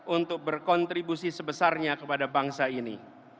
untuk berkontribusi sebesarnya kepada bangsa ini